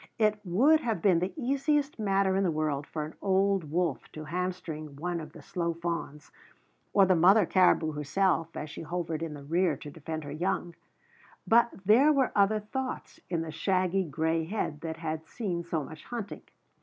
It would have been the easiest matter in the world for an old wolf to hamstring one of the slow fawns, or the mother caribou herself as she hovered in the rear to defend her young; but there were other thoughts in the shaggy gray head that had seen so much hunting.